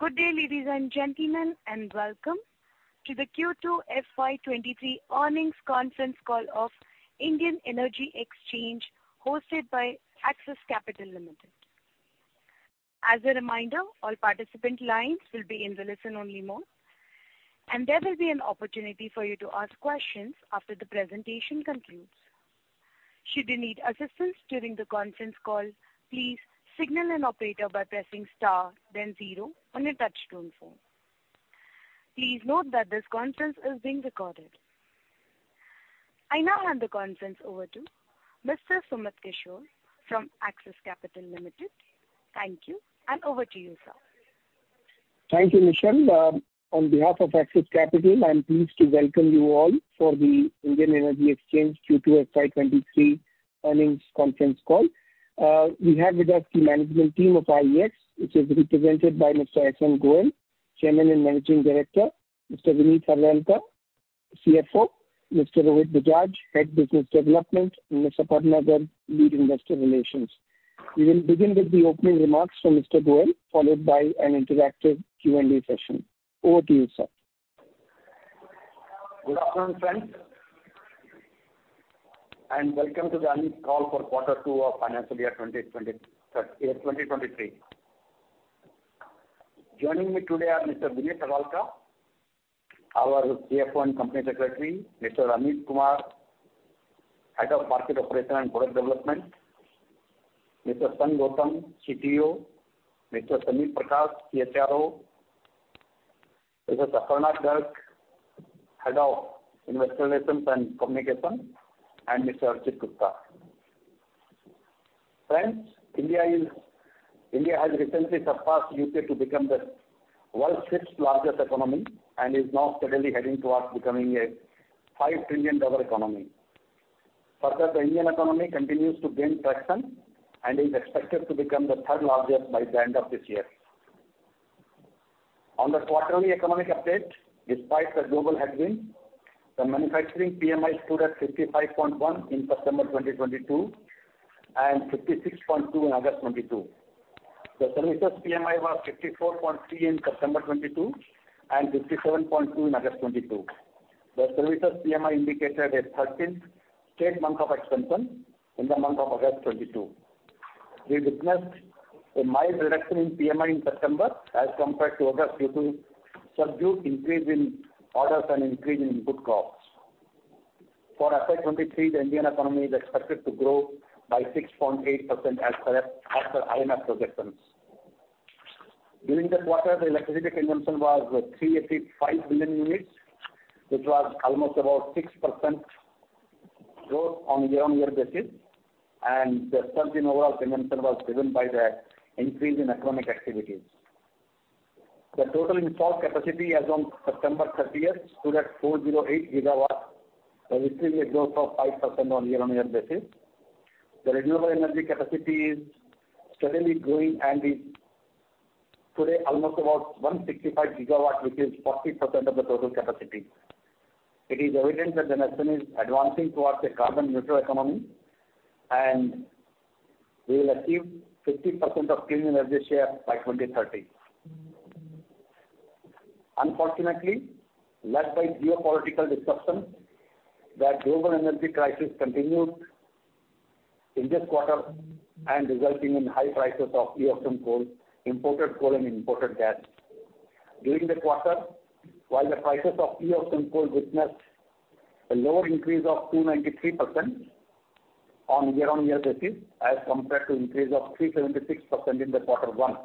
Good day, ladies and gentlemen, and welcome to the Q2 FY23 earnings conference call of Indian Energy Exchange hosted by Axis Capital Limited. As a reminder, all participant lines will be in the listen only mode, and there will be an opportunity for you to ask questions after the presentation concludes. Should you need assistance during the conference call, please signal an operator by pressing star then zero on your touchtone phone. Please note that this conference is being recorded. I now hand the conference over to Mr. Sumit Kishore from Axis Capital Limited. Thank you, and over to you, sir. Thank you, Michelle. On behalf of Axis Capital, I'm pleased to welcome you all for the Indian Energy Exchange Q2 FY 2023 earnings conference call. We have with us the management team of IEX, which is represented by Mr. Satyanarayan Goel, Chairman and Managing Director, Mr. Vineet Harlalka, CFO, Mr. Rohit Bajaj, Head Business Development, and Ms. Aparna Garg, Lead Investor Relations. We will begin with the opening remarks from Mr. Goel, followed by an interactive Q&A session. Over to you, sir. Good afternoon, friends, and welcome to the earnings call for quarter two of financial year 2023. Joining me today are Mr. Vineet Harlalka, our CFO and Company Secretary, Mr. Amit Kumar, Head of Market Operation and Product Development, Mr. Sangh Gautam, CTO, Mr. Sameep Prakash, CRO, Mr. Aparna Garg, Head of Investor Relations and Communication, and Mr. Archit Gupta. Friends, India has recently surpassed U.K. to become the world's sixth largest economy and is now steadily heading towards becoming a $5 trillion economy. Further, the Indian economy continues to gain traction and is expected to become the third largest by the end of this year. On the quarterly economic update, despite the global headwind, the manufacturing PMI stood at 55.1 in September 2022 and 56.2 in August 2022. The services PMI was 54.3 in September 2022 and 57.2 in August 2022. The services PMI indicated a 13 straight month of expansion in the month of August 2022. We witnessed a mild reduction in PMI in September as compared to August due to subdued increase in orders and increase in input costs. For FY 2023, the Indian economy is expected to grow by 6.8% as per IMF projections. During the quarter, the electricity consumption was 385 billion units, which was almost about 6% growth on year-on-year basis, and the surge in overall consumption was driven by the increase in economic activities. The total installed capacity as on September 30 stood at 408 GW, a yearly growth of 5% on year-on-year basis. The renewable energy capacity is steadily growing and is today almost about 165 GW, which is 40% of the total capacity. It is evident that the nation is advancing towards a carbon-neutral economy, and we will achieve 50% of clean energy share by 2030. Unfortunately, led by geopolitical disruptions, the global energy crisis continued in this quarter and resulting in high prices of e-auction coal, imported coal and imported gas. During the quarter, while the prices of e-auction coal witnessed a lower increase of 293% on year-on-year basis as compared to increase of 376% in the quarter one,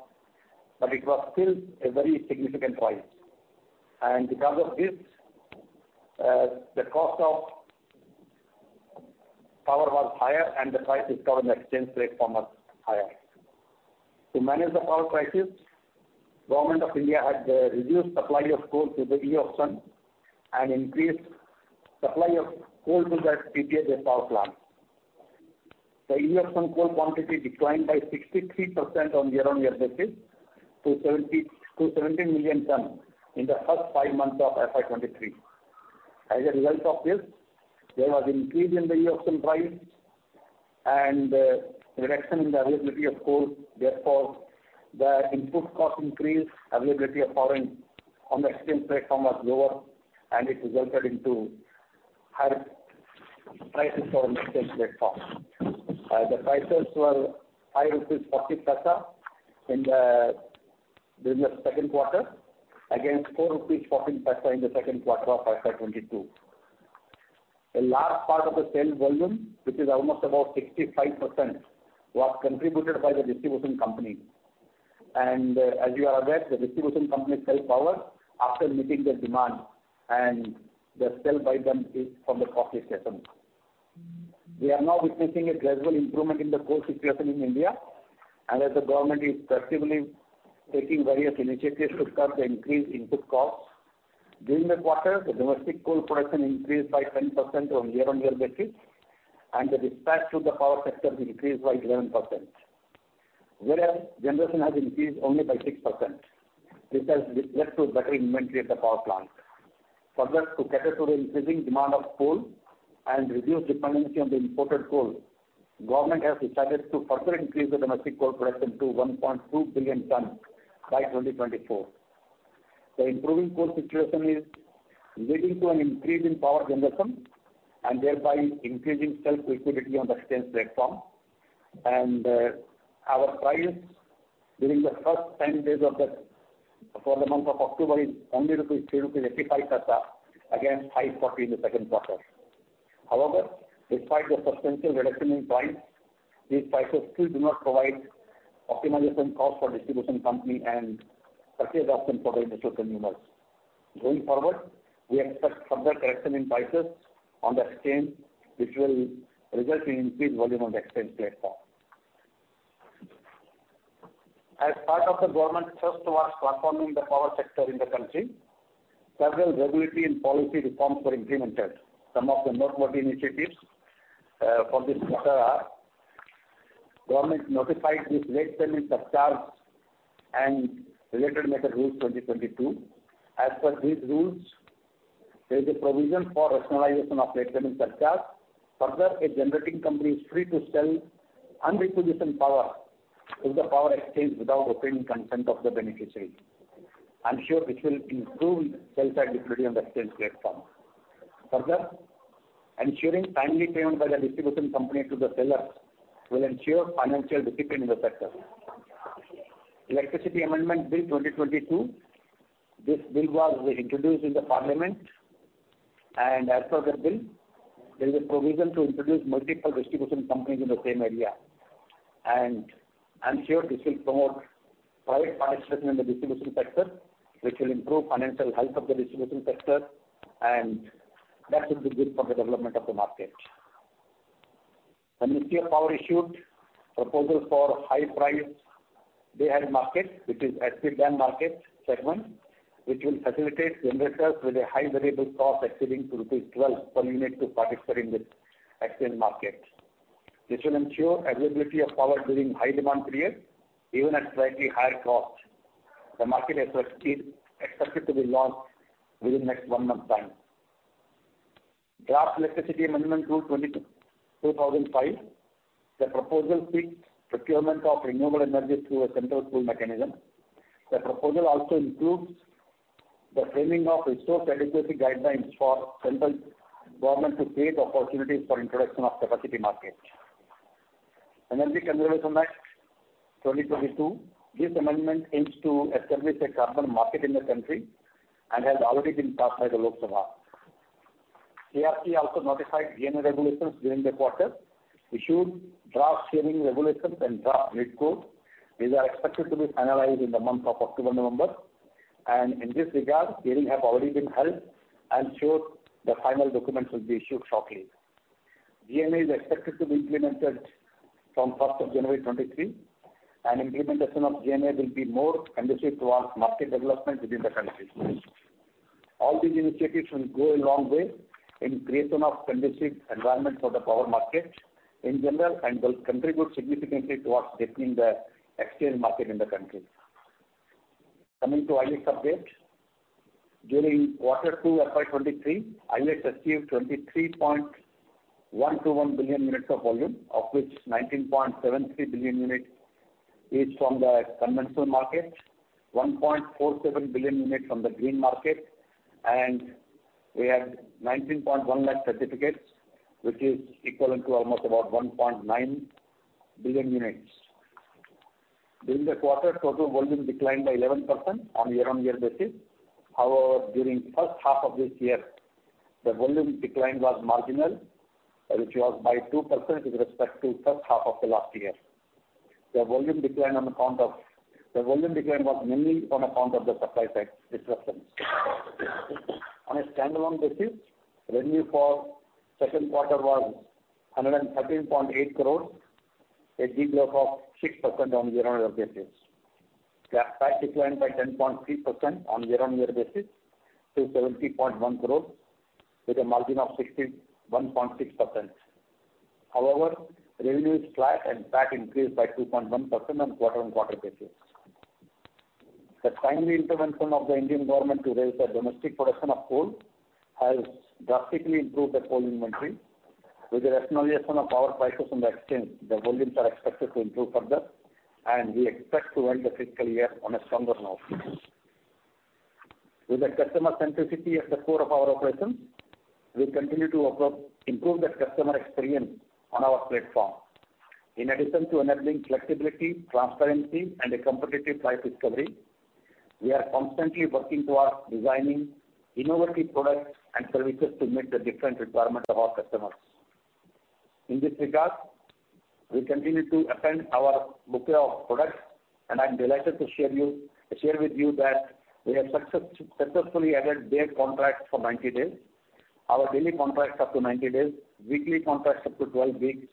but it was still a very significant rise. Because of this, the cost of power was higher and the prices discovered in the exchange RTM at higher. To manage the power prices, Government of India had reduced supply of coal to the e-auction and increased supply of coal to the PPA based power plants. The e-auction coal quantity declined by 63% on year-on-year basis to 17 million tonnes in the first five months of FY 2023. As a result of this, there was increase in the e-auction price and reduction in the availability of coal. Therefore, the input cost increased, availability of power on the exchange platform was lower, and it resulted into higher prices on exchange platform. The prices were rupees 5.40 during the Q2 against 4.40 rupees in the Q2 of FY 2022. A large part of the sale volume, which is almost about 65%, was contributed by the distribution company. As you are aware, the distribution company sell power after meeting the demand and the sale by them is from the power station. We are now witnessing a gradual improvement in the coal situation in India, and as the Government is progressively taking various initiatives to curb the increased input costs. During the quarter, the domestic coal production increased by 10% on year-on-year basis, and the dispatch to the power sector increased by 11%, whereas generation has increased only by 6%. This has led to better inventory at the power plant. Further to cater to the increasing demand of coal and reduce dependency on the imported coal, Government has decided to further increase the domestic coal production to 1.2 billion tons by 2024. The improving coal situation is leading to an increase in power generation and thereby increasing sell-side liquidity on the exchange platform. Our price during the first 10 days for the month of October is only 3.85 rupees against 4.40 in the Q2. However, despite the substantial reduction in price, these prices still do not provide optimization cost for distribution company and purchase option for the distribution consumers. Going forward, we expect further correction in prices on the exchange, which will result in increased volume on the exchange platform. As part of the government's thrust towards transforming the power sector in the country, several regulatory and policy reforms were implemented. Some of the noteworthy initiatives for this quarter are. Government notified the Late Payment Surcharge and Related Matters Rules, 2022. As per these rules, there is a provision for rationalization of late payment surcharge. Further, a generating company is free to sell unrequisitioned power to the power exchange without obtaining consent of the beneficiary. I'm sure this will improve sell-side liquidity on the exchange platform. Further, ensuring timely payment by the distribution company to the seller will ensure financial discipline in the sector. Electricity (Amendment) Bill, 2022. This bill was introduced in Parliament. As per the bill, there is a provision to introduce multiple distribution companies in the same area. I'm sure this will promote private participation in the distribution sector, which will improve financial health of the distribution sector, and that will be good for the development of the market. The Ministry of Power issued proposal for high price day-ahead market, which is HP-DAM market segment, which will facilitate investors with a high variable cost exceeding rupees 12 per unit to participate in this exchange market. This will ensure availability of power during high demand period, even at slightly higher cost. The market is expected to be launched within next one month time. Draft Electricity (Amendment) Rules, 2022. The proposal seeks procurement of renewable energy through a central pool mechanism. The proposal also includes the framing of resource adequacy guidelines for central government to create opportunities for introduction of capacity market. Energy Conservation (Amendment) Act, 2022. This amendment aims to establish a carbon market in the country and has already been passed by the Lok Sabha. CERC also notified GNA regulations during the quarter, issued draft sharing regulations and draft grid code. These are expected to be finalized in the month of October, November. In this regard, hearing have already been held. I'm sure the final documents will be issued shortly. GNA is expected to be implemented from first of January 2023. Implementation of GNA will be more conducive towards market development within the country. All these initiatives will go a long way in creation of conducive environment for the power market in general and will contribute significantly towards deepening the exchange market in the country. Coming to IEX update. During quarter two of FY 2023, IEX achieved 23.121 billion units of volume, of which 19.73 billion units is from the conventional market, 1.47 billion units from the green market, and we have 19.1 lakh certificates, which is equivalent to almost about 1.9 billion units. During the quarter, total volume declined by 11% on year-on-year basis. However, during first half of this year, the volume decline was marginal, which was by 2% with respect to first half of the last year. The volume decline was mainly on account of the supply side disruptions. On a standalone basis, revenue for Q2 was 113.8 crores, a decline of 6% on year-on-year basis. The PAT declined by 10.3% on year-on-year basis to 70.1 crores with a margin of 61.6%. However, revenue is flat and PAT increased by 2.1% on quarter-on-quarter basis. The timely intervention of the Indian government to raise the domestic production of coal has drastically improved the coal inventory. With the rationalization of power prices on the exchange, the volumes are expected to improve further, and we expect to end the fiscal year on a stronger note. With the customer centricity at the core of our operations, we continue to improve the customer experience on our platform. In addition to enabling flexibility, transparency and a competitive price discovery, we are constantly working towards designing innovative products and services to meet the different requirement of our customers. In this regard, we continue to expand our bouquet of products, and I'm delighted to share with you that we have successfully added day contracts for 90 days. Our daily contracts up to 90 days, weekly contracts up to 12 weeks,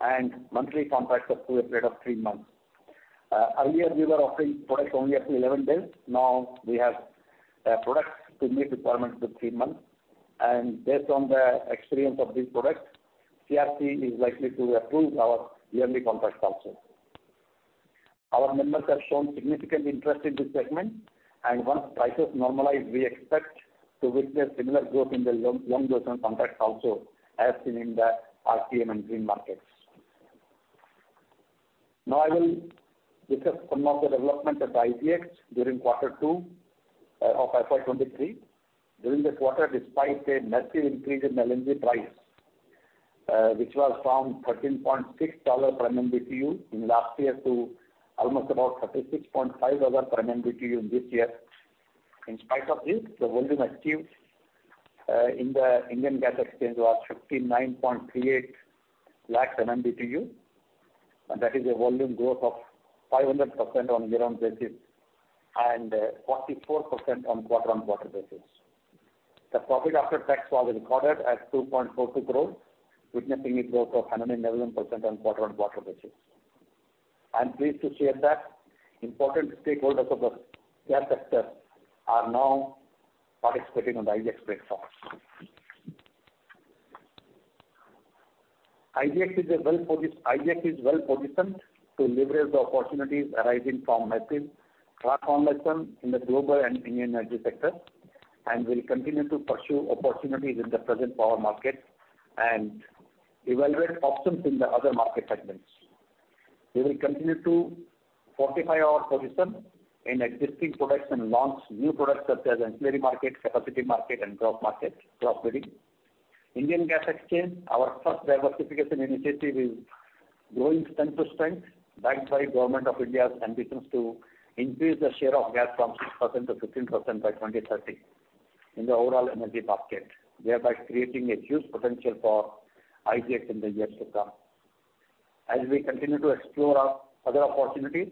and monthly contracts up to a period of 3 months. Earlier we were offering products only up to 11 days. Now, we have products to meet requirements up to three months. Based on the experience of these products, CERC is likely to approve our yearly contract also. Our members have shown significant interest in this segment, and once prices normalize, we expect to witness similar growth in the long duration contracts also, as seen in the RTM and Green markets. Now I will discuss some of the development at the IEX during quarter two of FY 2023. During this quarter, despite a massive increase in LNG price, which was from $13.6 per MMBtu in last year to almost about $36.5 per MMBtu this year. In spite of this, the volume achieved in the Indian Gas Exchange was 59.38 lakh MMBtu. That is a volume growth of 500% on year-on-year basis, and 44% on quarter-on-quarter basis. The profit after tax was recorded at 2.46 crores, witnessing a growth of 111% on quarter-on-quarter basis. I am pleased to share that important stakeholders of the gas sector are now participating on the IEX platforms. IEX is well-positioned to leverage the opportunities arising from massive platform expansion in the global and Indian energy sector, and will continue to pursue opportunities in the present power market and evaluate options in the other market segments. We will continue to fortify our position in existing products and launch new products such as ancillary market, capacity market and drop market, drop bidding. Indian Gas Exchange, our first diversification initiative is growing from strength to strength, backed by Government of India's ambitions to increase the share of gas from 6% to 15% by 2030 in the overall energy basket, thereby creating a huge potential for IEX in the years to come. As we continue to explore our other opportunities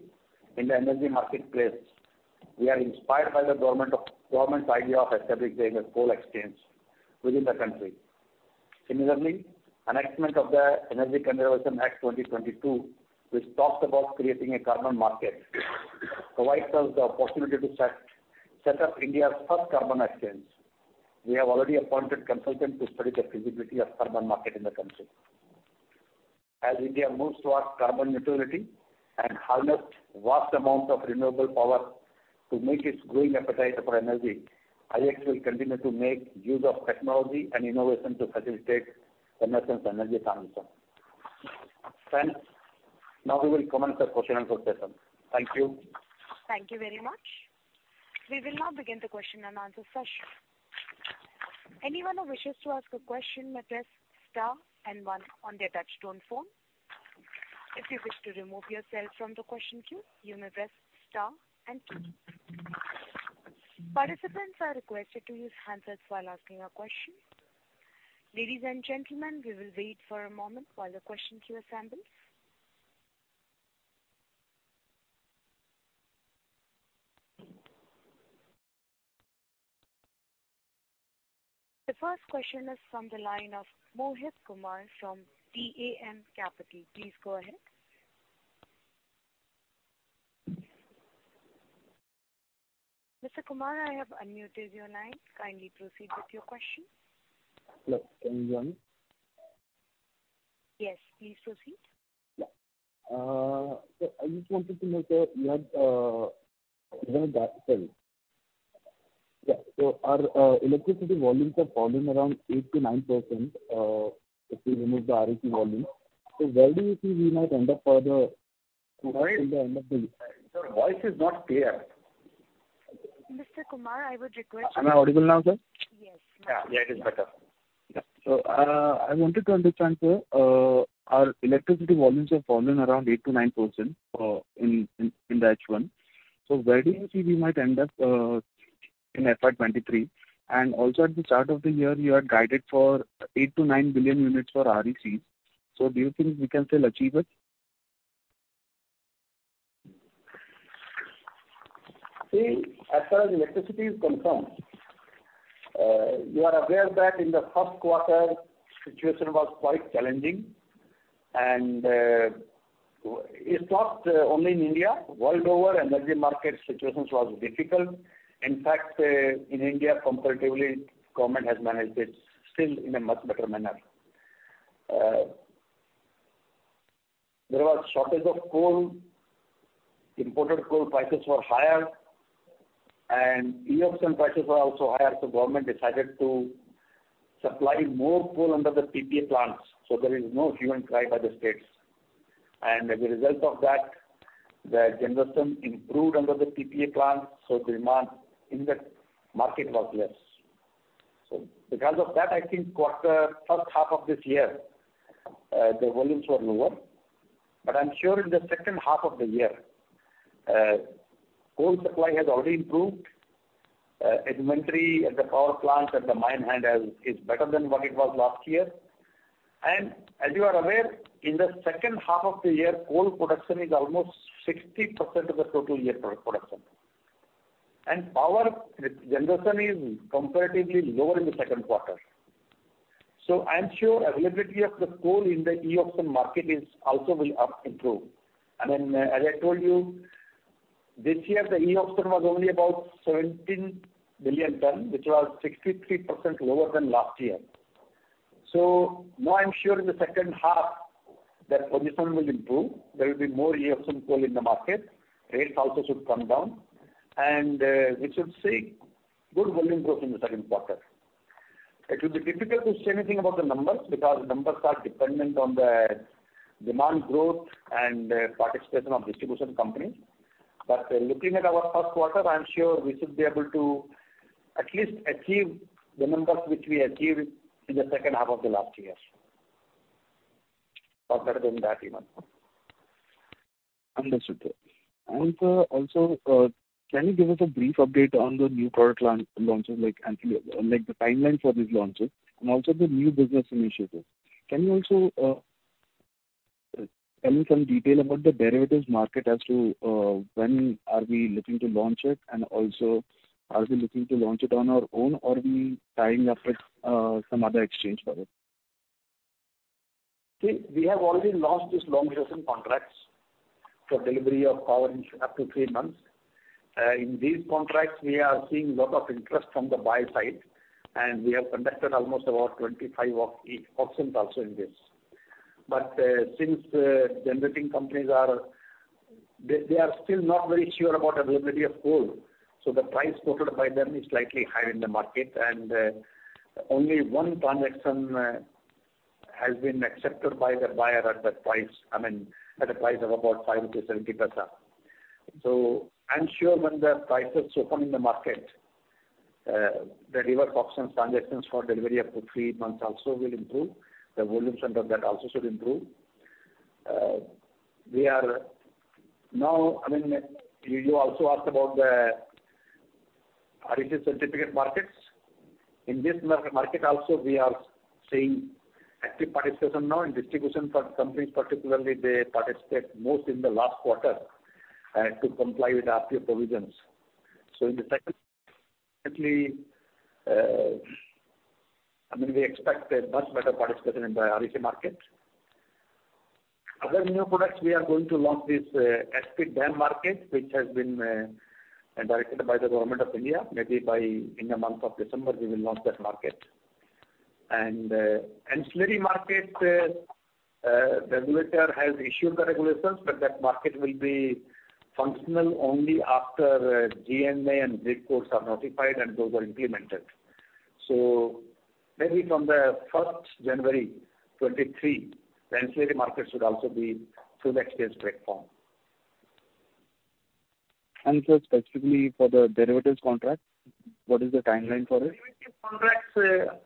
in the energy marketplace, we are inspired by the government's idea of establishing a coal exchange within the country. Similarly, enactment of the Energy Conservation (Amendment) Act, 2022, which talks about creating a carbon market, provides us the opportunity to set up India's first carbon exchange. We have already appointed consultant to study the feasibility of carbon market in the country. As India moves towards carbon neutrality and harness vast amounts of renewable power to meet its growing appetite for energy, IEX will continue to make use of technology and innovation to facilitate commercial energy transition. Friends, now we will commence the question and answer session. Thank you. Thank you very much. We will now begin the question and answer session. Anyone who wishes to ask a question may press star and one on their touchtone phone. If you wish to remove yourself from the question queue, you may press star and two. Participants are requested to use handsets while asking a question. Ladies and gentlemen, we will wait for a moment while the question queue assembles. The first question is from the line of Mohit Kumar from DAM Capital Advisors. Please go ahead. Mr. Kumar, I have unmuted your line. Kindly proceed with your question. Hello, can you hear me? Yes, please proceed. I just wanted to know, sir. Our electricity volumes have fallen around 8%-9% if we remove the REC volume. Where do you think we might end up for the- Sorry. In the end of the Your voice is not clear. Mr. Kumar, I would request you. Am I audible now, sir? Yes. Yeah. It is better. I wanted to understand, sir, our electricity volumes have fallen around 8% to 9% in the H1. Where do you think we might end up in FY 2023? And also at the start of the year, you had guided for 8 to 9 billion units for RECs. Do you think we can still achieve it? See, as far as electricity is concerned, you are aware that in the Q1 situation was quite challenging. It's not only in India. World over energy market situations was difficult. In fact, in India, comparatively, government has managed it still in a much better manner. There was shortage of coal. Imported coal prices were higher. ERS prices were also higher, so government decided to supply more coal under the PPA plants, so there is no hue and cry by the states. As a result of that, the generation improved under the PPA plants, so demand in the market was less. Because of that, I think first half of this year, the volumes were lower. I'm sure in the second half of the year, coal supply has already improved. Inventory at the power plant, at the mine end is better than what it was last year. As you are aware, in the second half of the year, coal production is almost 60% of the total year production. Power generation is comparatively lower in the Q2. I am sure availability of the coal in the USRS market will also improve. As I told you, this year the USRS was only about 17 billion tons, which was 63% lower than last year. Now I'm sure in the second half that position will improve. There will be more EFCM coal in the market. Rates also should come down, and we should see good volume growth in the Q2. It will be difficult to say anything about the numbers, because numbers are dependent on the demand growth and, participation of distribution companies. Looking at our Q1, I'm sure we should be able to at least achieve the numbers which we achieved in the second half of the last year. Better than that even. Understood, sir. Also, can you give us a brief update on the new product line launches, like, actually, like, the timeline for these launches and also the new business initiatives? Can you also tell me some detail about the derivatives market as to when are we looking to launch it, and also are we looking to launch it on our own or are we tying up with some other exchange for it? See, we have already launched these long duration contracts for delivery of power in up to three months. In these contracts, we are seeing lot of interest from the buy side, and we have conducted almost about 25 of these auctions also in this. Since generating companies are still not very sure about availability of coal, so the price quoted by them is slightly higher in the market. Only one transaction has been accepted by the buyer at that price, I mean, at a price of about 5.70%. I'm sure when the prices open in the market, the reverse auction transactions for delivery up to three months also will improve. The volume and tenor of that also should improve. I mean, you also asked about the REC certificate markets. In this RTM market also, we are seeing active participation now in distribution companies particularly they participate most in the last quarter to comply with RPO provisions. In the second, we expect a much better participation in the REC market. Other new products we are going to launch this HP-DAM market, which has been directed by the Government of India. Maybe in the month of December we will launch that market. Ancillary market, regulator has issued the regulations, but that market will be functional only after GNA and grid codes are notified and those are implemented. Maybe from January 1, 2023, the ancillary market should also be through the exchange platform. Sir, specifically for the derivatives contract, what is the timeline for it? Derivative contracts,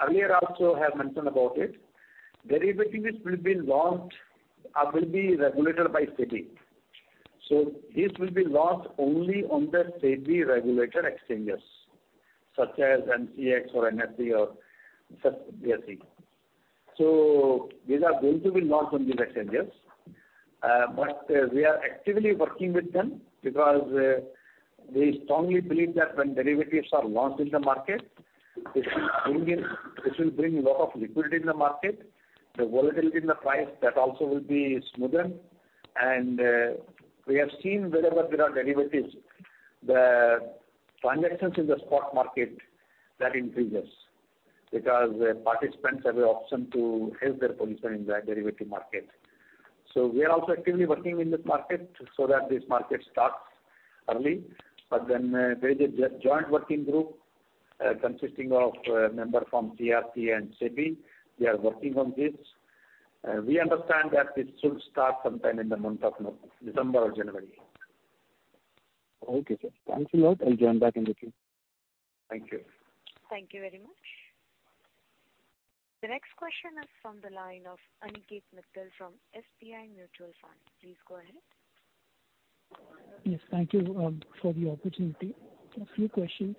earlier also I have mentioned about it. Derivatives will be launched, will be regulated by SEBI. This will be launched only on the SEBI regulated exchanges, such as NCDEX or MCX or such BSE. These are going to be launched on these exchanges, but we are actively working with them because, we strongly believe that when derivatives are launched in the market, this will bring lot of liquidity in the market. The volatility in the price, that also will be smoothened. We have seen wherever there are derivatives, the transactions in the spot market, that increases because participants have the option to hedge their position in the derivative market. We are also actively working in this market so that this market starts early. There's a joint working group consisting of a member from CERC and SEBI. We are working on this. We understand that this should start sometime in the month of December or January. Okay, sir. Thanks a lot. I'll join back in the queue. Thank you. Thank you very much. The next question is from the line of Aniket Mittal from SBI Mutual Fund. Please go ahead. Yes, thank you for the opportunity. A few questions.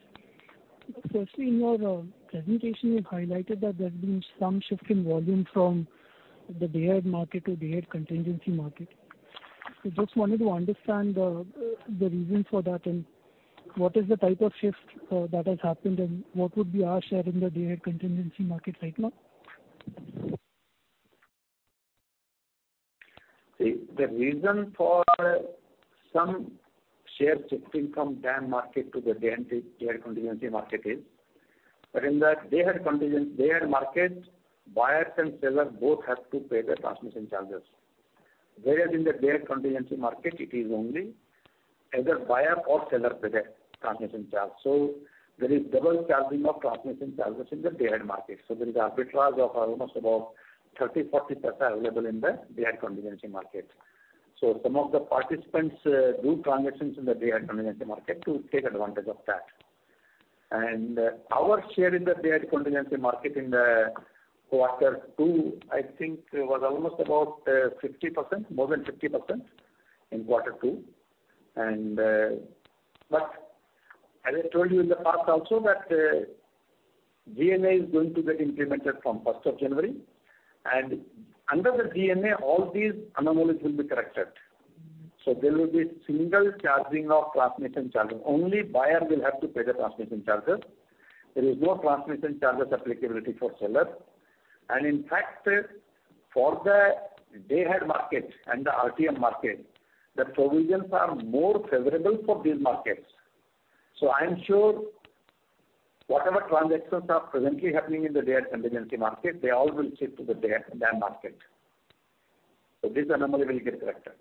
Firstly, in your presentation, you've highlighted that there's been some shift in volume from the Day-Ahead Market to Day-Ahead Contingency Market. Just wanted to understand the reason for that and what is the type of shift that has happened and what would be our share in the Day-Ahead Contingency Market right now? The reason for some share shifting from DAM market to the day-ahead contingency market is that in the day-ahead market, buyers and sellers both have to pay the transmission charges. Whereas in the day-ahead contingency market, it is only either buyer or seller pay the transmission charge. There is double charging of transmission charges in the day-ahead market. There is arbitrage of almost about 30%-40% available in the day-ahead contingency market. Some of the participants do transactions in the day-ahead contingency market to take advantage of that. Our share in the day-ahead contingency market in the quarter two, I think, was almost about 60%, more than 50% in quarter two. As I told you in the past also that, GNA is going to get implemented from first of January. Under the GNA, all these anomalies will be corrected. There will be single charge of transmission charges. Only buyer will have to pay the transmission charges. There is no transmission charges applicability for seller. In fact, for the day ahead market and the RTM market, the provisions are more favorable for these markets. I'm sure whatever transactions are presently happening in the day-ahead contingency market, they all will shift to the DAM market. This anomaly will get corrected.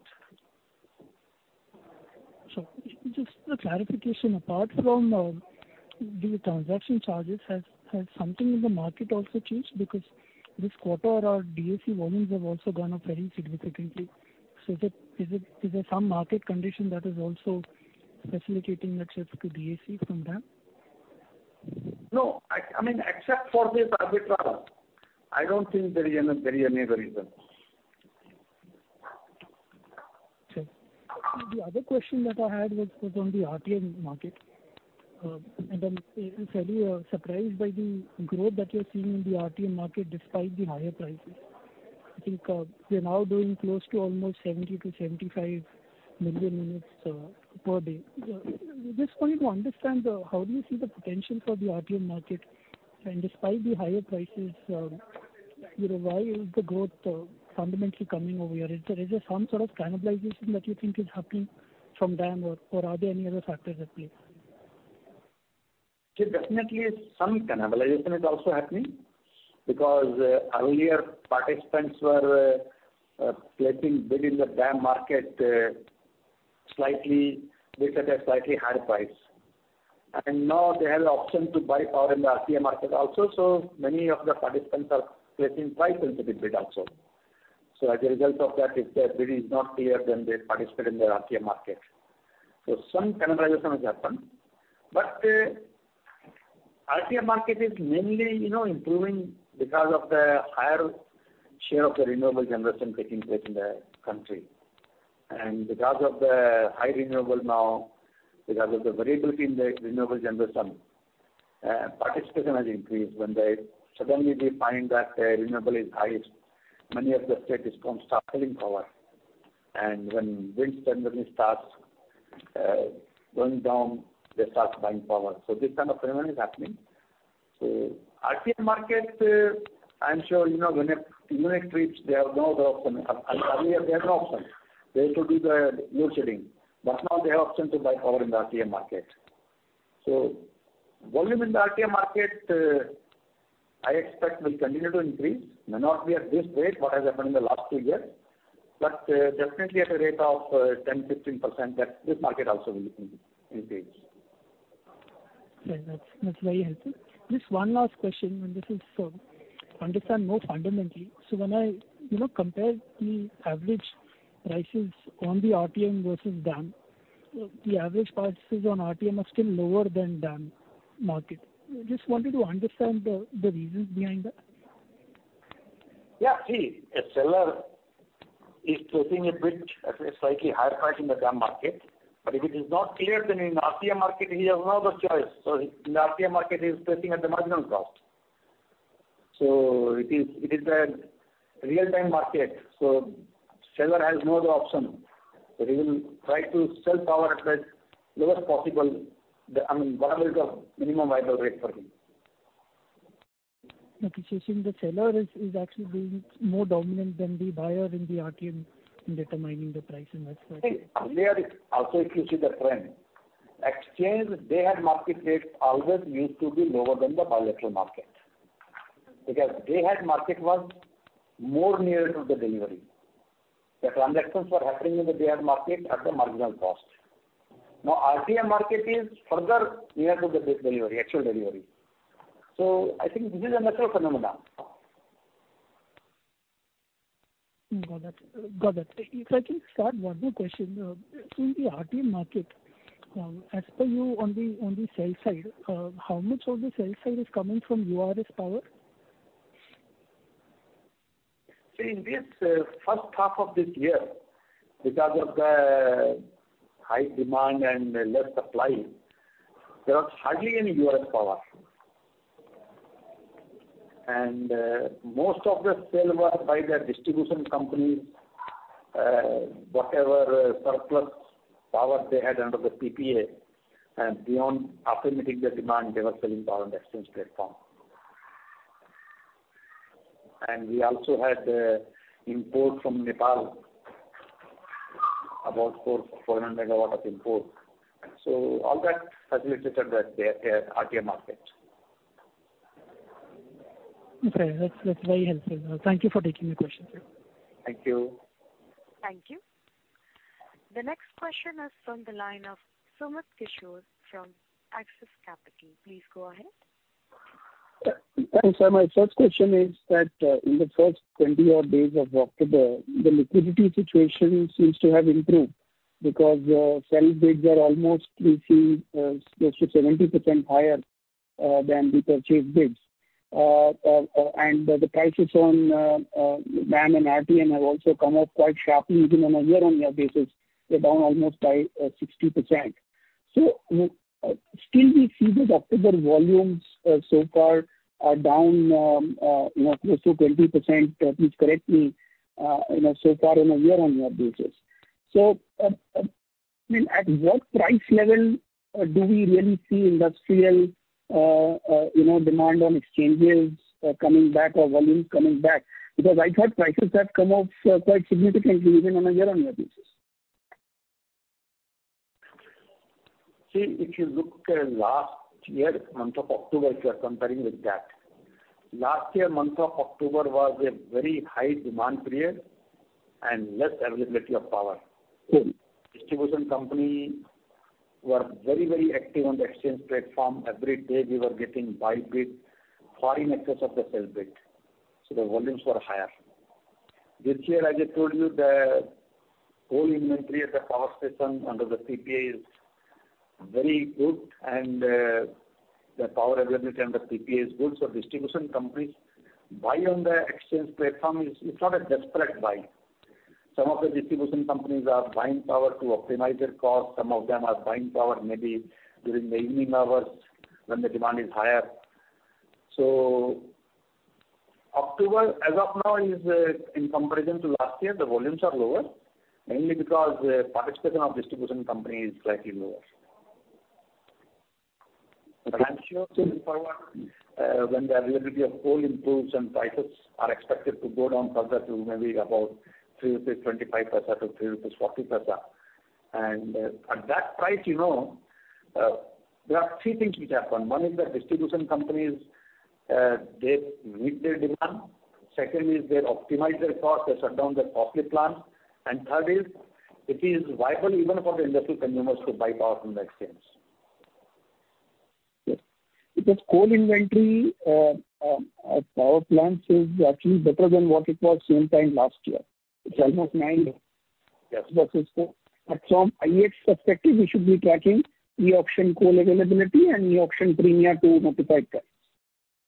Sir, just a clarification. Apart from the transaction charges, has something in the market also changed? Because this quarter our DAC volumes have also gone up very significantly. Is there some market condition that is also facilitating that shift to DAC from DAM? No. I mean, except for this arbitrage, I don't think there is any other reason. The other question that I had was on the RTM market. I'm fairly surprised by the growth that you're seeing in the RTM market despite the higher prices. I think we are now doing close to almost 70 to 75 million units per day. Just wanted to understand how do you see the potential for the RTM market? Despite the higher prices why is the growth fundamentally coming over here? Is there some sort of cannibalization that you think is happening from DAM, or are there any other factors at play? Definitely some cannibalization is also happening because earlier participants were placing bid in the DAM market slightly. They set a slightly higher price. Now they have the option to buy power in the RTM market also, so many of the participants are placing price into the bid also. As a result of that, if their bid is not clear, then they participate in the RTM market. Some cannibalization has happened. RTM market is mainly improving because of the higher share of the renewable generation taking place in the country. Because of the high renewable now, because of the variability in the renewable generation, participation has increased. When they suddenly find that the renewable is highest, many of the states start selling power. When wind suddenly starts going down, they start buying power. This kind of phenomenon is happening. RTM market, I'm sure you know when it reaches, they have no other option. Earlier they had no option. They had to do the load shedding. Now they have option to buy power in the RTM market. Volume in the RTM market, I expect will continue to increase. May not be at this rate what has happened in the last two years, but definitely at a rate of 10%-15% that this market also will increase. Okay. That's very helpful. Just one last question, and this is to understand more fundamentally. When i compare the average prices on the RTM versus DAM, the average prices on RTM are still lower than DAM market. Just wanted to understand the reasons behind that. Yeah. See, a seller is placing a bid at a slightly higher price in the DAM market. If it is not clear to him, in RTM market, he has no other choice. In the RTM market, he's placing at the marginal cost. It is the real-time market, so seller has no other option. He will try to sell power at the lowest possible, I mean, what I will call minimum viable rate for him. You're saying the seller is actually being more dominant than the buyer in the RTM in determining the price and that's why. Earlier, also if you see the trend, exchange day-ahead market rates always used to be lower than the bilateral market. Because day-ahead market was more nearer to the delivery. The transactions were happening in the day-ahead market at the marginal cost. Now, RTM market is further nearer to this delivery, actual delivery. I think this is a natural phenomenon. Got it. If I can just add one more question. In the RTM market, as per you on the sell side, how much of the sell side is coming from URS Power? See, in this first half of this year, because of the high demand and less supply, there was hardly any URS Power. Most of the sale was by the distribution companies, whatever surplus power they had under the PPA. After meeting their demand, they were selling power on the exchange platform. We also had import from Nepal, about 400 megawatts of import. All that facilitated the RTM market. Okay. That's very helpful. Thank you for taking the questions, sir. Thank you. Thank you. The next question is from the line of Sumit Kishore from Axis Capital. Please go ahead. Thanks. My first question is that, in the first 20-odd days of October, the liquidity situation seems to have improved because sell bids are almost reaching close to 70% higher than the purchase bids. The prices on DAM and RTM have also come up quite sharply. Even on a year-on-year basis, they're down almost by 60%. Still we see that October volumes so far are down close to 20%, please correct me so far on a year-on-year basis. I mean, at what price level do we really see industrial demand on exchanges coming back or volumes coming back? Because I thought prices have come off quite significantly even on a year-on-year basis. See, if you look at last year month of October, if you are comparing with that, last year month of October was a very high demand period and less availability of power. Mm-hmm. Distribution companies were very, very active on the exchange platform. Every day we were getting buy bids far in excess of the sell bids, so the volumes were higher. This year, as I told you, the coal inventory at the power station under the PPA is very good and the power availability under PPA is good. Distribution companies buy on the exchange platform, it's not a desperate buy. Some of the distribution companies are buying power to optimize their cost. Some of them are buying power maybe during the evening hours when the demand is higher. October as of now, in comparison to last year, the volumes are lower, mainly because participation of distribution companies is slightly lower. I'm sure going forward, when the availability of coal improves and prices are expected to go down further to maybe about 3.25-3.40 rupees. At that price there are three things which happen. One is that distribution companies, they meet their demand. Second is they optimize their cost, they shut down their costly plant. Third is it is viable even for the industrial consumers to buy power from the exchange. Yes. Because coal inventory at power plants is actually better than what it was same time last year. It's almost 9 days. Yes. From IEX perspective, we should be tracking e-auction coal availability and e-auction premia to multiply it there.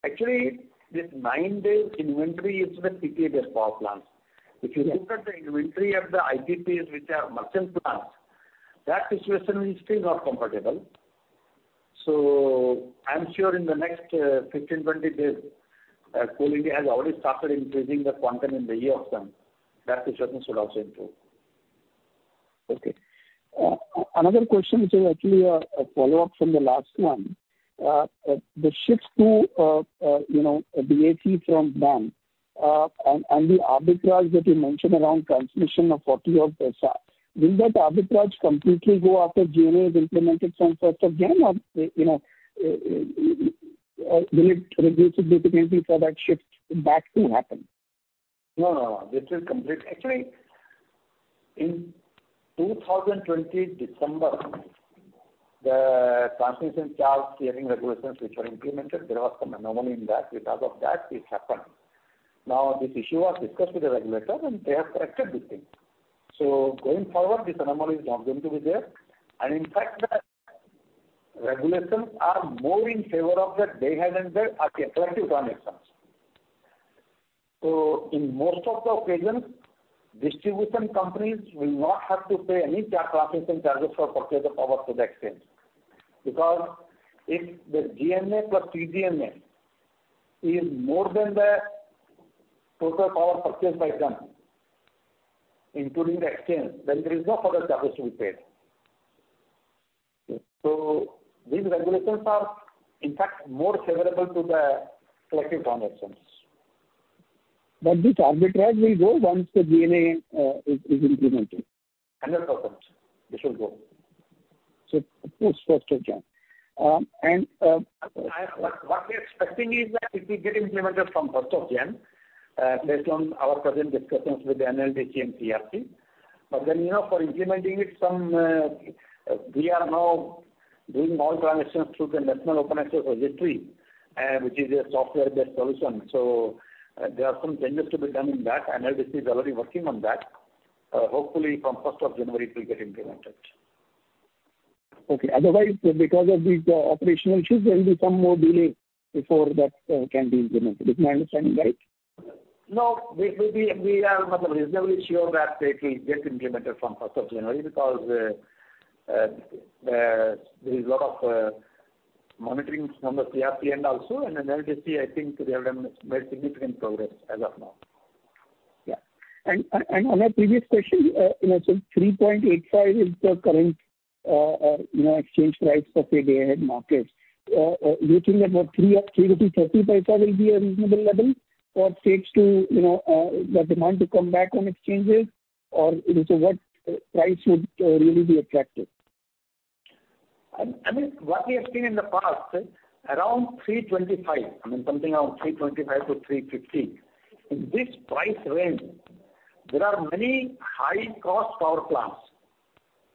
Actually, this 9-day inventory is with PPAs power plants. If you look at the inventory at the IPPs which are merchant plants, that situation is still not comfortable. I'm sure in the next 15, 20 days, Coal India has already started increasing the quantum in the e-auction. That situation should also improve. Okay. Another question which is actually a follow-up from the last one. The shift to you know RTM from DAM and the arbitrage that you mentioned around transmission of 40-odd paisa. Will that arbitrage completely go after GNA is implemented first of January, or you know will it reduce the propensity for that shift back to happen? No, no. This is complete. Actually, in December 2020, the transmission charge ceiling regulations which were implemented, there was some anomaly in that. Because of that, it happened. Now, this issue was discussed with the regulator, and they have corrected this thing. Going forward, this anomaly is not going to be there. In fact, the regulations are more in favor of the day-ahead and the collective run auctions. In most of the occasions, distribution companies will not have to pay any transmission charges for purchase of power through the exchange. Because if the GNA plus TGNA is more than the total power purchased by them, including the exchange, then there is no further charges to be paid. Yes. These regulations are in fact more favorable to the collective run auctions. This arbitrage will go once the GNA is implemented. 100%. This will go. Of course, first of January. What we're expecting is that it will get implemented from first of Jan, based on our present discussions with the NLDC and CERC. for implementing it, we are now doing all transactions through the National Open Access Registry, which is a software-based solution. There are some changes to be done in that. NLDC is already working on that. Hopefully from first of January, it will get implemented. Okay. Otherwise, because of these operational issues, there will be some more delay before that can be implemented. Is my understanding right? No, we are reasonably sure that it will get implemented from first of January because there is a lot of monitoring from the CERC end also. NLDC, I think they have made significant progress as of now. Yeah. On a previous question so 3.85 is the current exchange price for day-ahead markets. Do you think about 3 or 3 rupee 30 paisa will be a reasonable level for states to the demand to come back on exchanges? Or it is what price would really be attractive? I mean, what we have seen in the past, around 325, something around 325-315. In this price range, there are many high-cost power plants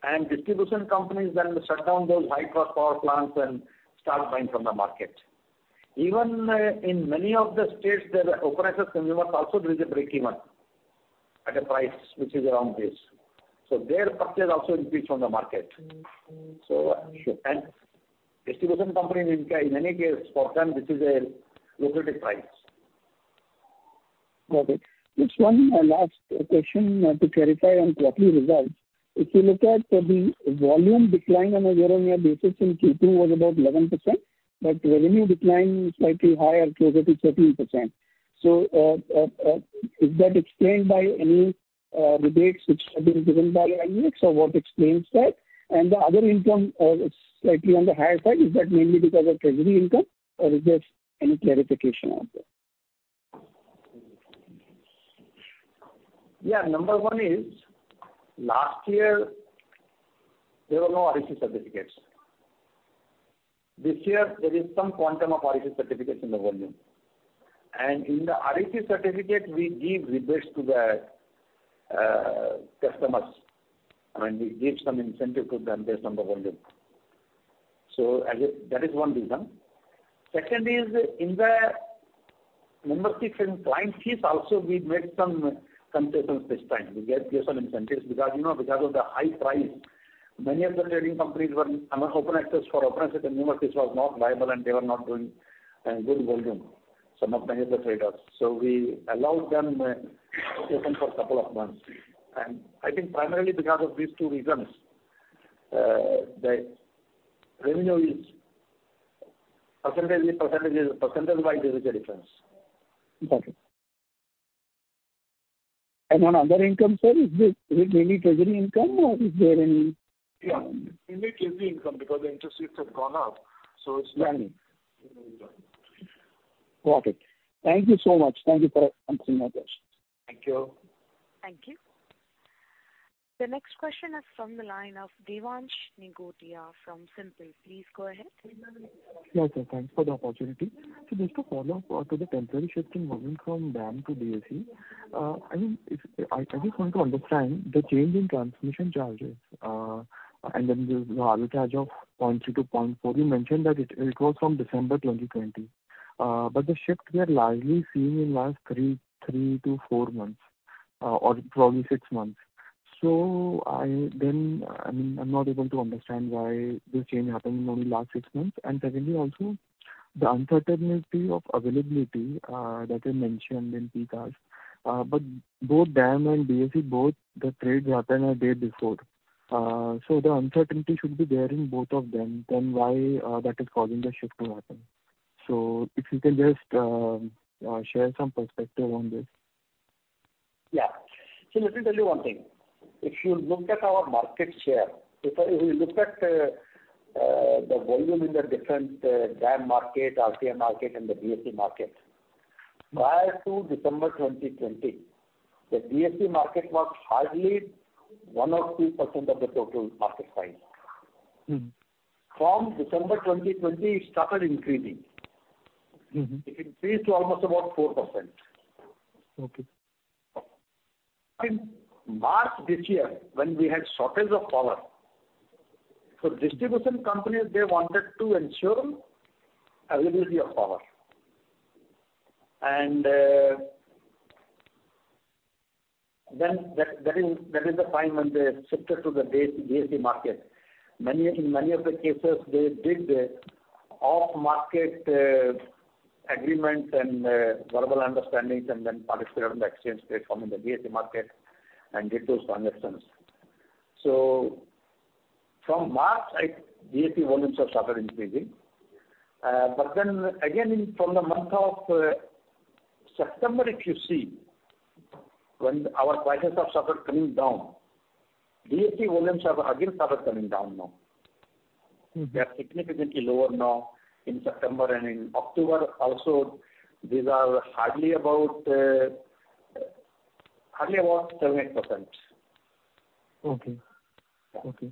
and distribution companies then shut down those high-cost power plants and start buying from the market. Even in many of the states, there were open access consumers also reach a breakeven at a price which is around this. Their purchase also increased from the market. Sure. Distribution companies in many cases, for them this is a lucrative price. Got it. Just one last question to clarify on quarterly results. If you look at the volume decline on a year-on-year basis in Q2 was about 11%, but revenue decline slightly higher, closer to 13%. Is that explained by any rebates which have been given by IEX or what explains that? The other income is slightly on the higher side. Is that mainly because of treasury income or is there any clarification on that? Yeah. Number one is last year there were no REC certificates. This year there is some quantum of REC certificates in the volume. In the REC certificate, we give rebates to the customers, and we give some incentive to them based on the volume. That is one reason. Second is in the membership and client fees also we made some changes this time. We gave some incentives because because of the high price, many of the trading companies were open access for open access and membership was not viable, and they were not doing good volume, some of many of the traders. We allowed them exception for a couple of months. I think primarily because of these two reasons, the revenue is percentage-wise there is a difference. Okay. On other income side, is it mainly treasury income or is there any, Yeah. Mainly treasury income because the interest rates have gone up, so it's mainly. Got it. Thank you so much. Thank you for answering my questions. Thank you. Thank you. The next question is from the line of Devansh Nagotia from SIMPL. Please go ahead. Yes, sir. Thanks for the opportunity. Just a follow-up to the temporary shift in volume from DAM to DAC. I mean, I just want to understand the change in transmission charges, and then the higher charge of 0.2-0.4. You mentioned that it was from December 2020, but the shift we are largely seeing in the last three to four months, or probably six months. I mean, I'm not able to understand why this change happened in only the last six months. Secondly, the uncertainty of availability that you mentioned in peak hours, but both DAM and DAC, the trades happen a day before, so the uncertainty should be there in both of them, then why that is causing the shift to happen? If you can just share some perspective on this. Yeah. Let me tell you one thing. If you look at our market share, if you look at the volume in the different DAM market, RTM market and the DAC market, prior to December 2020, the DAC market was hardly 1% or 2% of the total market size. Mm. From December 2020, it started increasing. Mm-hmm. It increased to almost about 4%. Okay. In March this year when we had shortage of power, distribution companies, they wanted to ensure availability of power. That is the time when they shifted to the DAM, DAC market. In many of the cases, they did off-market agreements and verbal understandings and then participated on the exchange trading platform in the DAC market and get those transactions. From March, DAC volumes have started increasing. From the month of September, if you see, when our prices have started coming down, DAC volumes have again started coming down now. Mm. They are significantly lower now in September and in October also. These are hardly about 7%-8%. Okay. Yeah. Okay.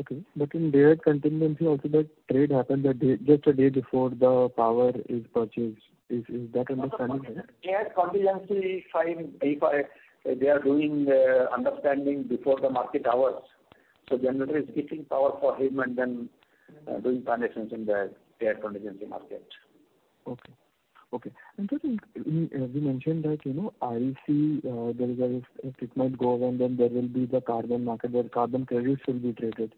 Okay. In Day-Ahead Contingency also that trade happened the day just a day before the power is purchased. Is that understanding correct? Day-Ahead Contingency time, they are doing understanding before the market hours. Generator is getting power for him and then doing transactions in the Day-Ahead Contingency market. Okay. Then you mentioned that REC, if it might go well, then there will be the carbon market, where carbon credits will be traded.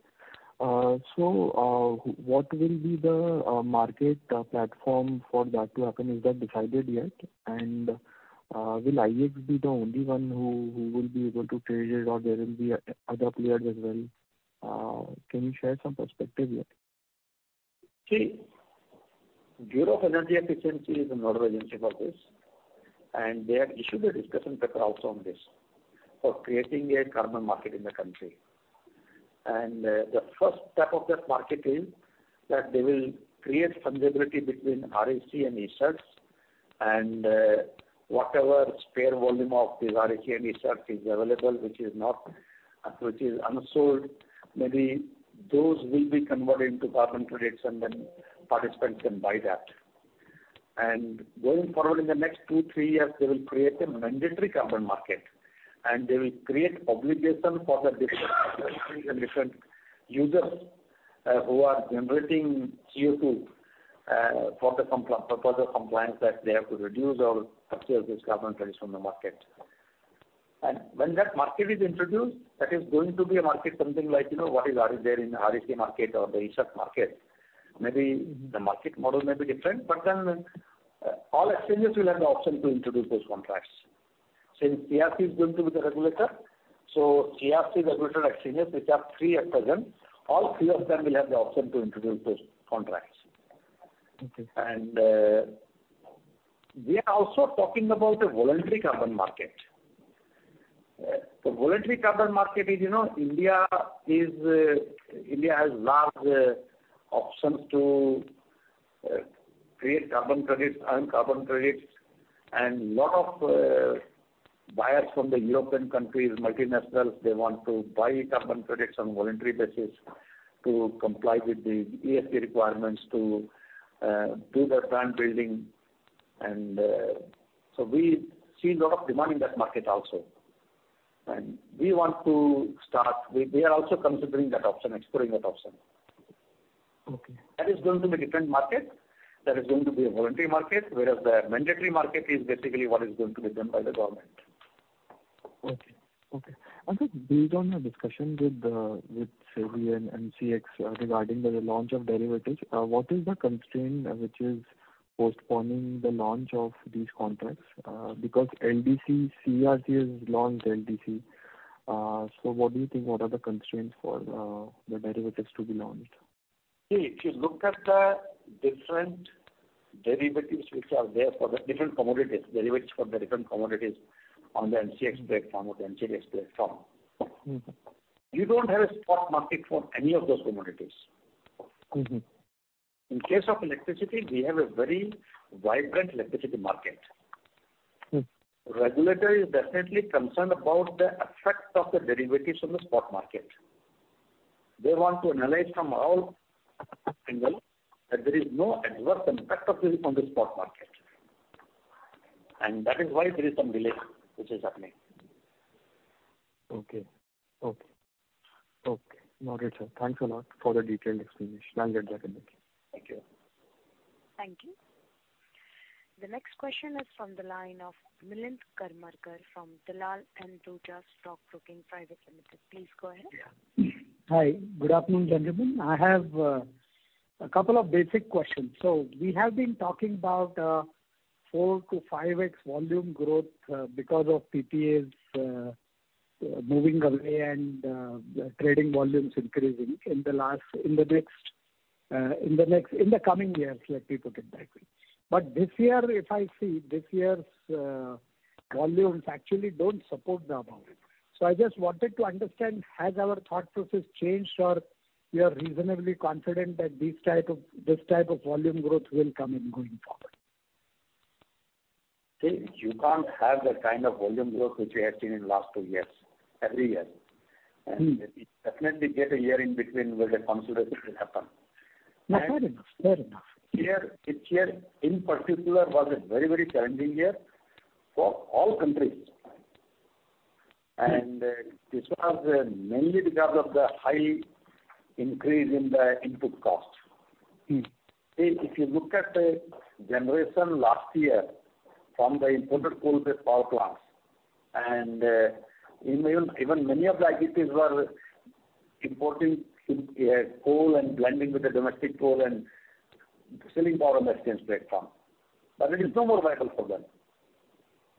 What will be the market platform for that to happen? Is that decided yet? Will IEX be the only one who will be able to trade it or there will be other players as well? Can you share some perspective here? See, Bureau of Energy Efficiency is the nodal agency for this, and they have issued a discussion paper also on this for creating a carbon market in the country. The first step of that market is that they will create fungibility between REC and ESCerts, and whatever spare volume of this REC and ESCerts is available which is unsold, maybe those will be converted into carbon credits and then participants can buy that. Going forward in the next two-three years, they will create a mandatory carbon market, and they will create obligation for the different users who are generating CO2 for the compliance that they have to reduce or purchase these carbon credits from the market. When that market is introduced, that is going to be a market something like what is there in REC market or the ESCert market. Maybe the market model may be different, but then all exchanges will have the option to introduce those contracts. Since CERC is going to be the regulator, so CERC regulated exchanges, which are three at present, all three of them will have the option to introduce those contracts. Okay. We are also talking about a voluntary carbon market. The voluntary carbon market is India is, India has large options to create carbon credits, earn carbon credits. Lot of buyers from the European countries, multinationals, they want to buy carbon credits on voluntary basis to comply with the ESG requirements to do their brand building. We see lot of demand in that market also. We are also considering that option, exploring that option. Okay. That is going to be a different market. That is going to be a voluntary market, whereas the mandatory market is basically what is going to be done by the government. Aniket, based on your discussion with SEBI and MCX regarding the launch of derivatives, what is the constraint which is postponing the launch of these contracts? Because CERC has launched LDC. What do you think, what are the constraints for the derivatives to be launched? See, if you look at the different derivatives which are there for the different commodities on the MCX platform or NCDEX platform. Mm-hmm. You don't have a stock market for any of those commodities. Mm-hmm. In case of electricity, we have a very vibrant electricity market. Mm. Regulator is definitely concerned about the effect of the derivatives on the spot market. They want to analyze from all angles that there is no adverse impact of this on the spot market. That is why there is some delay which is happening. Okay. All right, sir. Thanks a lot for the detailed explanation. I'll get back in touch. Thank you. Thank you. The next question is from the line of Milind Karmarkar from Dalal & Broacha Stock Broking Pvt. Ltd. Please go ahead. Yeah. Hi. Good afternoon, gentlemen. I have a couple of basic questions. We have been talking about 4-5x volume growth because of PPAs moving away and trading volumes increasing in the coming years, let me put it that way. This year, if I see, this year's volumes actually don't support the above. I just wanted to understand, has our thought process changed, or you are reasonably confident that this type of volume growth will come in going forward? See, you can't have the kind of volume growth which we have seen in last two years every year. Mm. You definitely get a year in between where the consolidation will happen. No, fair enough. Fair enough. This year in particular was a very, very challenging year for all countries. This was mainly because of the high increase in the input costs. Mm. See, if you look at the generation last year from the imported coal-based power plants, and even many of the IPPs were importing coal and blending with the domestic coal and selling power on the exchange platform. It is no more viable for them.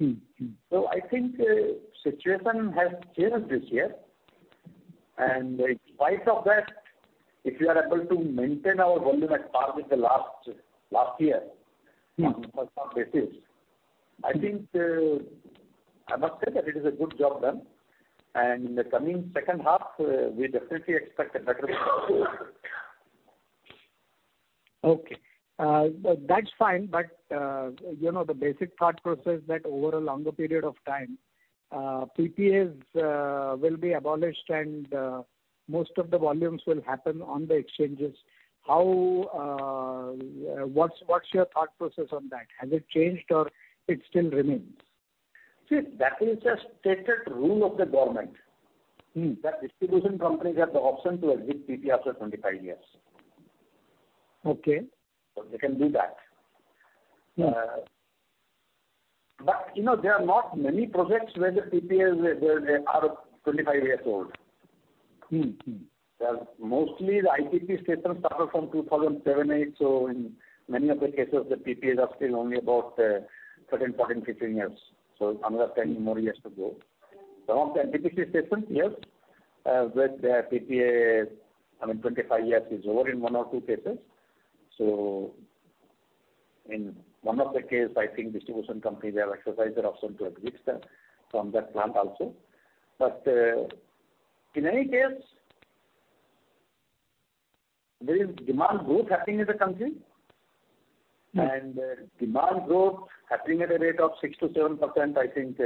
Mm-hmm. I think situation has changed this year. In spite of that, if we are able to maintain our volume at par with the last year. Mm. On per unit basis, I think, I must say that it is a good job done. In the coming second half, we definitely expect a better result. Okay. That's fine, but the basic thought process that over a longer period of time, PPAs will be abolished and most of the volumes will happen on the exchanges. How, what's your thought process on that? Has it changed or it still remains? See, that is a stated rule of the government. Mm. That distribution companies have the option to exit PPA after 25 years. Okay. They can do that. Mm. You know, there are not many projects where the PPAs, they are 25 years old. Mm-hmm. Mostly the IPP stations started from 2007-8, so in many of the cases, the PPAs are still only about 13, 14, 15 years. Another 10 more years to go. Some of the NTPC stations, yes, with the PPAs, I mean, 25 years is over in one or two cases. In one of the case, I think distribution companies have exercised their option to exit from that plant also. In any case, there is demand growth happening in the country. Mm. Demand growth happening at a rate of 6%-7%, I think,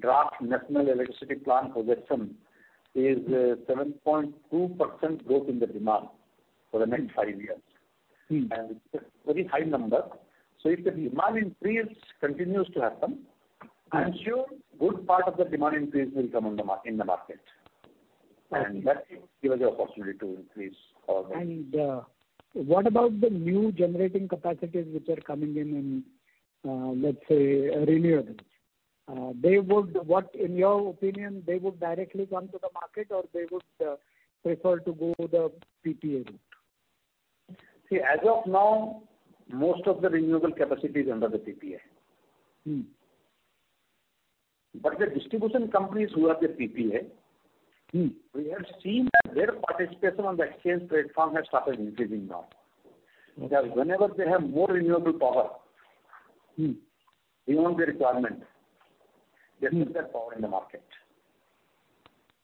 Draft National Electricity Plan projection is 7.2% growth in the demand for the next five years. Mm. It's a very high number. If the demand increase continues to happen. Mm. I'm sure good part of the demand increase will come in the market. Right. That will give us the opportunity to increase our. What about the new generating capacities which are coming in, let's say, renewables? What, in your opinion, they would directly come to the market or they would prefer to go the PPA route? See, as of now, most of the renewable capacity is under the PPA. Mm. The distribution companies who have the PPA. Mm We have seen that their participation on the exchange platform has started increasing now. Yeah. Whenever they have more renewable power- Mm-hmm. Than the requirement, they put that power in the market.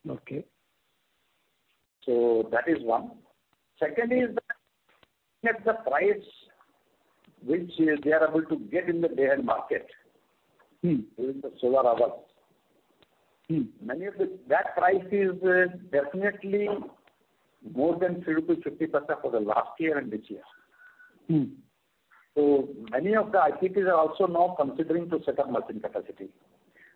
Okay. That is one. Second is that looking at the price which they are able to get in the day-ahead market- Mm-hmm. During the solar hours. Mm-hmm. That price is definitely more than rupee 50% for the last year and this year. Mm-hmm. Many of the IPPs are also now considering to set up merchant capacity.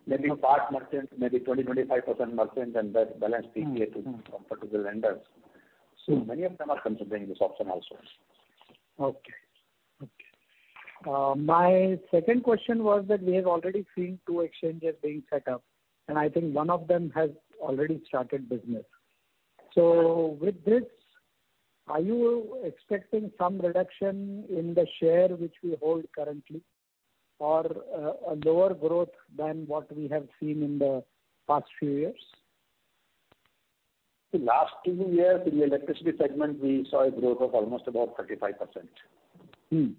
Maybe part merchant, maybe 20-25% merchant, and the balance PPAs. Mm-hmm. comfortable lenders. Many of them are considering this option also. Okay. My second question was that we have already seen two exchanges being set up, and I think one of them has already started business. With this, are you expecting some reduction in the share which we hold currently, or a lower growth than what we have seen in the past few years? The last 2 years, in the electricity segment, we saw a growth of almost about 35%. Mm-hmm.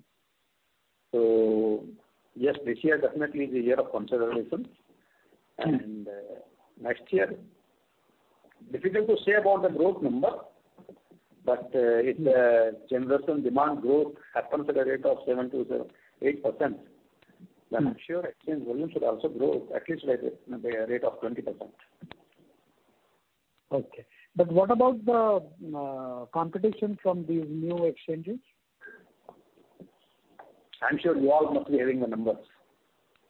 Yes, this year definitely is a year of consolidation. Mm-hmm. Next year, difficult to say about the growth number, but if the generation demand growth happens at a rate of 7%-8%. Mm-hmm. I'm sure exchange volume should also grow at least at a rate of 20%. Okay. What about the competition from these new exchanges? I'm sure you all must be having the numbers.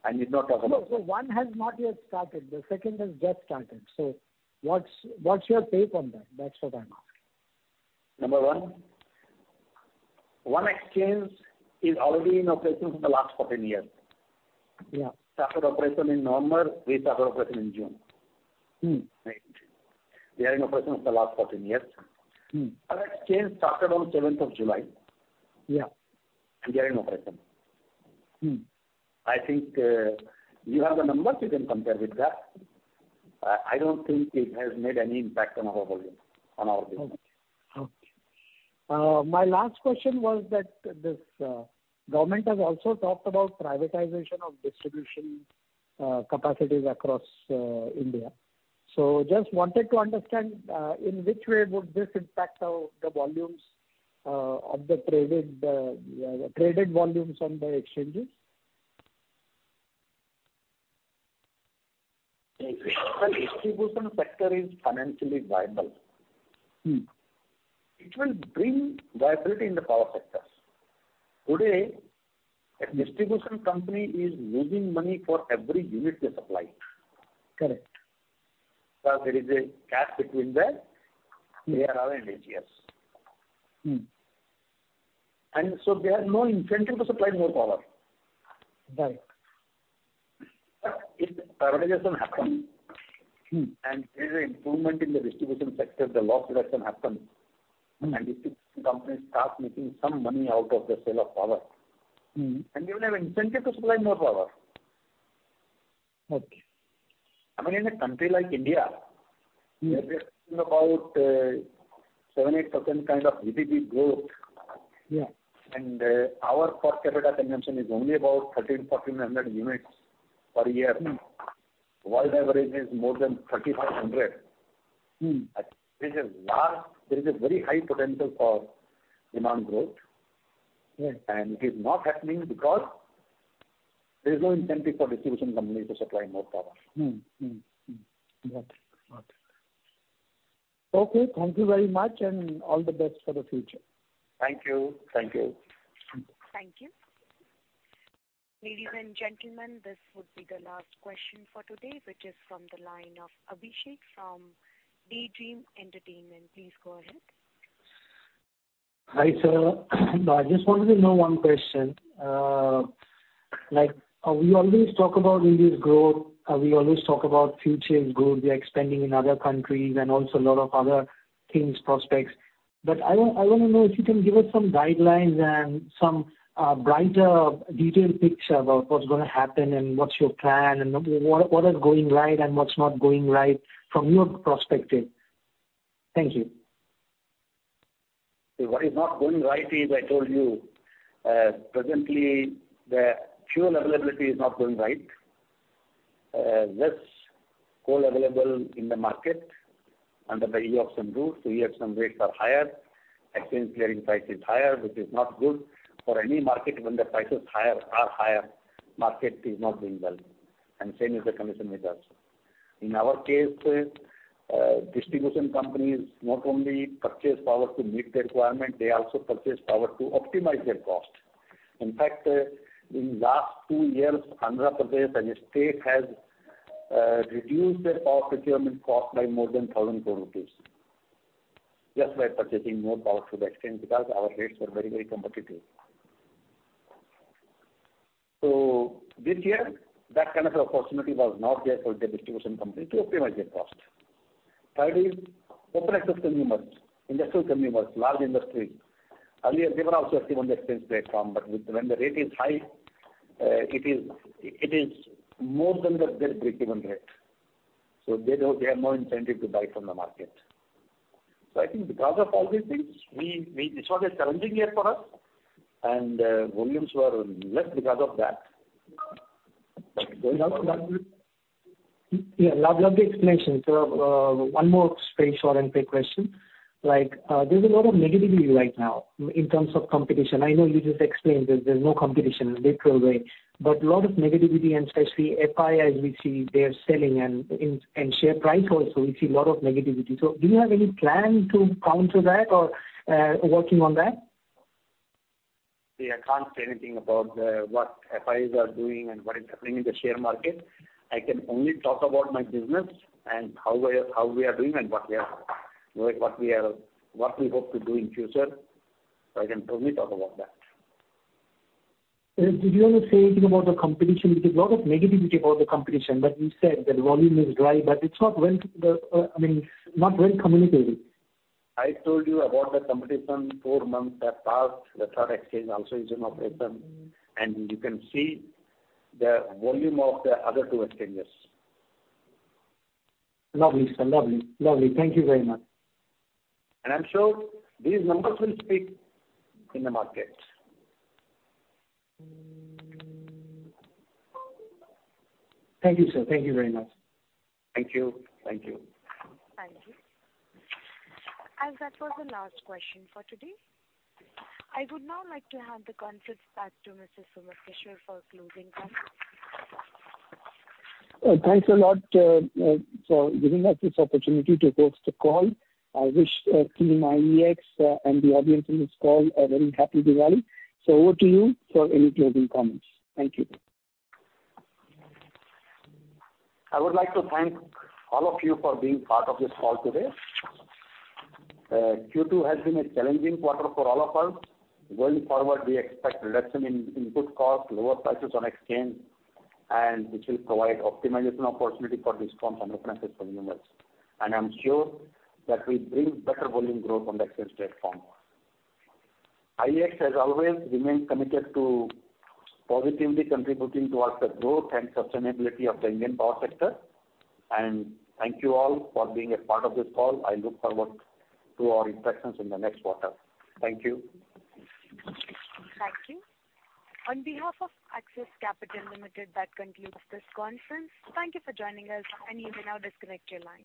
I need not talk about them. No, one has not yet started. The second has just started. What's your take on that? That's what I'm asking. Number 1, one exchange is already in operation for the last 14 years. Yeah. Started operation in November. We started operation in June. Mm-hmm. 18. We are in operation for the last 14 years. Mm-hmm. Other exchange started on seventh of July. Yeah. They are in operation. Mm-hmm. I think you have the numbers, you can compare with that. I don't think it has made any impact on our volume, on our business. Okay. My last question was that this government has also talked about privatization of distribution capacities across India. Just wanted to understand in which way would this impact the volumes of the traded volumes on the exchanges? If the distribution sector is financially viable. Mm-hmm. It will bring viability in the power sectors. Today, a distribution company is losing money for every unit they supply. Correct. Because there is a gap between the ARR and ACS. Mm-hmm. They have no incentive to supply more power. Right. If privatization happens. Mm-hmm. There is an improvement in the distribution sector, the loss reduction happens. Mm-hmm. Distribution companies start making some money out of the sale of power. Mm-hmm. They will have incentive to supply more power. Okay. I mean, in a country like India. Mm-hmm. We have been seeing about 7%-8% kind of GDP growth. Yeah. Our per capita consumption is only about 1,300-1,400 units per year. Mm-hmm. World average is more than 3,500. Mm-hmm. There is a very high potential for demand growth. Yeah. It is not happening because there is no incentive for distribution companies to supply more power. Mm-hmm. Got it. Okay, thank you very much, and all the best for the future. Thank you. Thank you. Thank you. Thank you. Ladies and gentlemen, this would be the last question for today, which is from the line of Abhishek from DayDream Entertainment. Please go ahead. Hi, sir. I just wanted to know one question. Like, we always talk about India's growth, we always talk about future growth. We are expanding in other countries and also a lot of other things, prospects. I want to know if you can give us some guidelines and some brighter detailed picture about what's going to happen and what's your plan and what is going right and what's not going right from your perspective. Thank you. What is not going right is I told you, presently the fuel availability is not going right. Less coal available in the market under the e-auction route. E-auction rates are higher. Exchange clearing price is higher, which is not good for any market. When the price is higher, market is not doing well. Same is the condition with us. In our case, distribution companies not only purchase power to meet their requirement, they also purchase power to optimize their cost. In fact, in last two years, Andhra Pradesh as a state has reduced their power procurement cost by more than 1,000 crore rupees just by purchasing more power through the exchange because our rates were very, very competitive. This year, that kind of opportunity was not there for the distribution company to optimize their cost. Third is open access consumers, industrial consumers, large industries. Earlier they were also active on the exchange platform, but when the rate is high, it is more than the best given rate. They have no incentive to buy from the market. I think because of all these things, this was a challenging year for us and volumes were less because of that. Going out- Yeah. Lovely explanation, sir. One more very short and quick question. Like, there's a lot of negativity right now in terms of competition. I know you just explained that there's no competition in a literal way, but a lot of negativity, and especially FIIs, we see they're selling in, and share price also, we see a lot of negativity. Do you have any plan to counter that or working on that? See, I can't say anything about what FIIs are doing and what is happening in the share market. I can only talk about my business and how we are doing and what we hope to do in future. I can only talk about that. Did you want to say anything about the competition? There's a lot of negativity about the competition, but you said that volume is dry, but it's not well, I mean, not well communicated. I told you about the competition. four months have passed. The third exchange also is in operation and you can see the volume of the other two exchanges. Lovely, sir. Lovely. Thank you very much. I'm sure these numbers will speak in the market. Thank you, sir. Thank you very much. Thank you. Thank you. Thank you. That was the last question for today. I would now like to hand the conference back to Mr. Sumit Kishore for closing comments. Thanks a lot for giving us this opportunity to host the call. I wish team IEX and the audience in this call a very happy Diwali. Over to you for any closing comments. Thank you. I would like to thank all of you for being part of this call today. Q2 has been a challenging quarter for all of us. Going forward, we expect reduction in input costs, lower prices on exchange and which will provide optimization opportunity for discounts and efficiencies for users. I'm sure that we bring better volume growth on the exchange platform. IEX has always remained committed to positively contributing towards the growth and sustainability of the Indian power sector. Thank you all for being a part of this call. I look forward to our interactions in the next quarter. Thank you. Thank you. On behalf of Axis Capital Limited, that concludes this conference. Thank you for joining us and you may now disconnect your lines.